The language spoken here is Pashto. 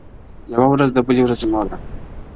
يوه ورځ د بلي مور ده.